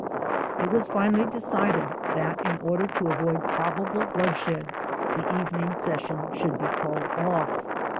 It was finally decided that in order to avoid probable blood shed, the evening session should be called off.